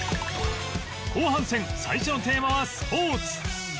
後半戦最初のテーマはスポーツ